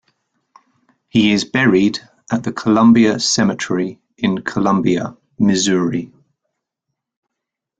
He is buried at the Columbia Cemetery in Columbia, Missouri.